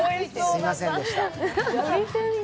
すみませんでした。